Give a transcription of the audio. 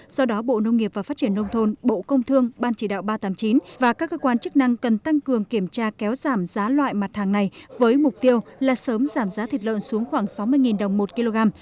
do đó bộ nông nghiệp và phát triển nông thôn bộ công thương ban chỉ đạo ba trăm tám mươi chín và các cơ quan chức năng cần tăng cường kiểm tra kéo giảm giá loại mặt hàng này với mục tiêu là sớm giảm giá thịt lợn xuống khoảng sáu mươi đồng một kg